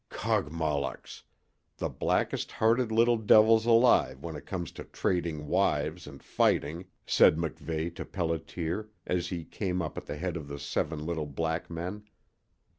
"Kogmollocks the blackest hearted little devils alive when it comes to trading wives and fighting," said MacVeigh to Pelliter, as he came up at the head of the seven little black men.